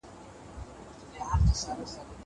هغه وويل چي بوټونه پاک ساتل مهم دي.